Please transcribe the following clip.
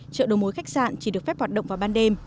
chợ đầu mối khách sạn chỉ được phép hoạt động vào ban đêm